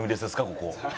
ここ。